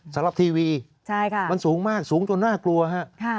สำหรับทีวีมันสูงมากสูงจนน่ากลัวฮะค่ะใช่ค่ะ